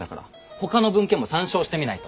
ほかの文献も参照してみないと！